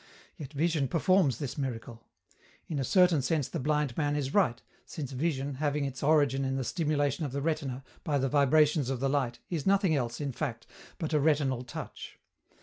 Yet vision performs this miracle. In a certain sense the blind man is right, since vision, having its origin in the stimulation of the retina, by the vibrations of the light, is nothing else, in fact, but a retinal touch.